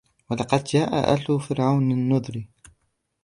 وَلَقَدْ جَاءَ آلَ فِرْعَوْنَ النُّذُرُ